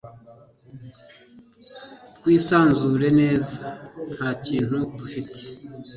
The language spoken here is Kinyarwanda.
twisanzure neza ntakintu dufite